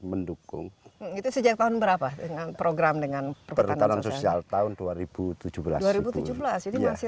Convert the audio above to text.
mendukung itu sejak tahun berapa dengan program dengan perhutanan sosial tahun dua ribu tujuh belas dua ribu tujuh belas jadi masih